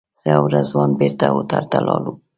زه او رضوان بېرته هوټل ته لاړو.